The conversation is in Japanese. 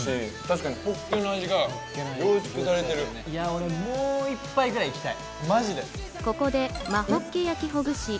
俺、もう１杯くらいいきたい。